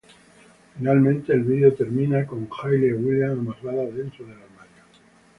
Finalmente, el vídeo termina con Hayley Williams amarrada dentro del armario.